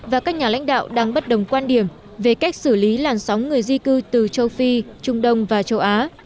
và các nhà lãnh đạo đang bất đồng quan điểm về cách xử lý làn sóng người di cư từ châu phi trung đông và châu á